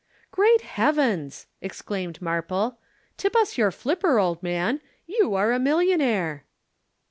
"'"Great heavens!" exclaimed Marple. "Tip us your flipper, old man! You are a millionaire."